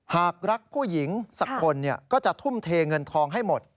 หากรักผู้หญิงสักคนก็จะทุ่มเทเงินทองให้หมด